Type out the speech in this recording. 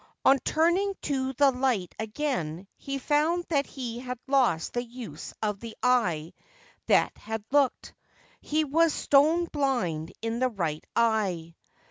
On turning to the light again, he found that he had lost the use of the eye that had looked : he was stone blind in the right eye.